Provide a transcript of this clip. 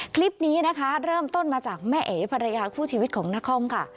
คลิปนี้นะคะเริ่มต้นมาจากแม่เอ๋ภรรยาคู่ชีวิตของนครค่ะ